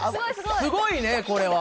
すごいねこれは。